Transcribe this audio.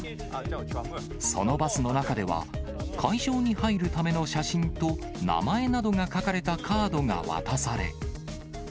そのバスの中では、会場に入るための写真と、名前などが書かれたカードが渡され。